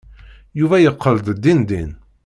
Yuba yeqqel-d dindin.